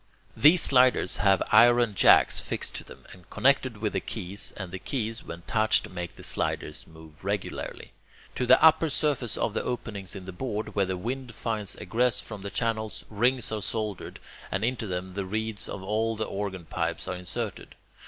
These sliders have iron jacks fixed to them, and connected with the keys, and the keys, when touched, make the sliders move regularly. To the upper surface of the openings in the board, where the wind finds egress from the channels, rings are soldered, and into them the reeds of all the organ pipes are inserted.